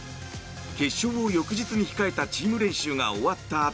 決勝を翌日に控えたチーム練習が終わった